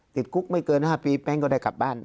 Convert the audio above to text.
ติดคุกไม่เกิน๕ปีแป้งก็ได้กลับบ้าน